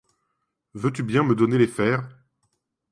Veux-tu bien me donner les fers !